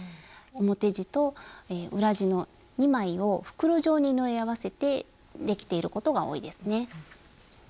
表地と裏地の２枚を袋状に縫い合わせてできていることが多いですね。